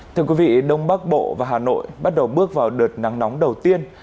thưa quý vị đông bắc bộ và hà nội bắt đầu bước vào đợt nắng nóng đầu tiên